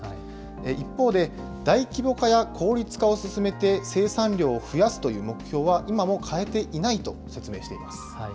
一方で、大規模化や効率化を進めて生産量を増やすという目標は、今も変えていないと説明しています。